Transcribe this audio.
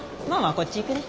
こっち行くね。